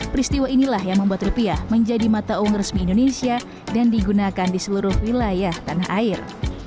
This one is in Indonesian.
peristiwa inilah yang membuat rupiah menjadi mata uang resmi indonesia dan digunakan di seluruh wilayah tanah air